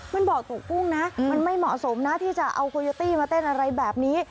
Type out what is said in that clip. มันบอกตกกุ้งนะมันไม่เหมาะสมนะที่จะเอาโคโยตี้มาเต้นอะไรแบบนี้